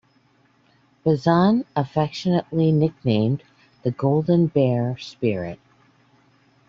Bazan affectionately nicknamed the Golden Bear Spirit.